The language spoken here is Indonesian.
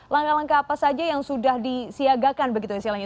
langkah langkah apa saja yang sudah disiagakan begitu istilahnya